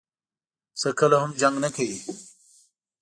پسه کله هم جنګ نه کوي.